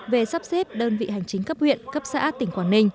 về sắp xếp đơn vị hành chính cấp huyện cấp xã